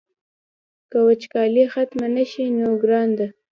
که وچکالي ختمه نه شي نو ګرانه ده.